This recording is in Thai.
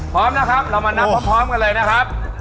พร้อมนะครับเรามานับพร้อมกันเลยนะครับ